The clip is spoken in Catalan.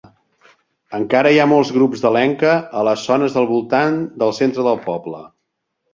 Encara hi ha molts grups de Lenca a les zones del voltant del centre del poble.